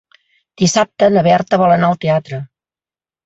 Dissabte na Berta vol anar al teatre.